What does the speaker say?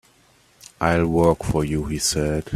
"I'll work for you," he said.